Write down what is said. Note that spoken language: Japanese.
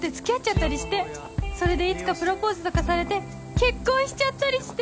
それでいつかプロポーズとかされて結婚しちゃったりして！